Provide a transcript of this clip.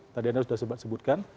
tadi andra sudah sebutkan